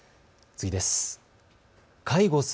次です。